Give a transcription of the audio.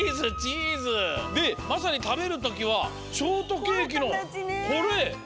でまさにたべるときはショートケーキのこれ。